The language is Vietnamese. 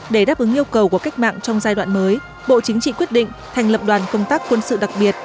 để đáp ứng yêu cầu của cách mạng trong giai đoạn mới bộ chính trị quyết định thành lập đoàn công tác quân sự đặc biệt